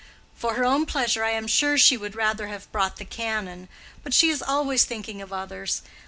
For her own pleasure, I am sure she would rather have brought the Canon; but she is always thinking of others.